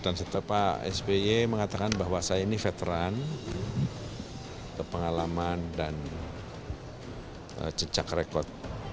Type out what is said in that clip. dan setelah pak sby mengatakan bahwa saya ini veteran ke pengalaman dan jejak rekod